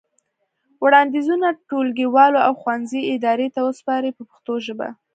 وړاندیزونه ټولګیوالو او ښوونځي ادارې ته وسپارئ په پښتو ژبه.